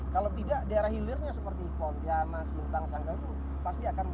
kalau tidak daerah hilirnya seperti pontianak sintang sanggau itu pasti akan